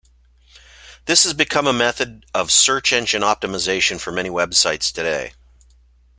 This has become a method of search engine optimization for many websites today.